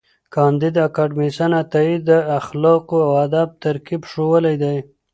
کانديد اکاډميسن عطایي د اخلاقو او ادب ترکیب ښوولی دی.